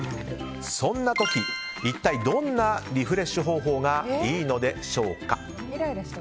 そんな時一体どんなリフレッシュ方法がいいのでしょうか。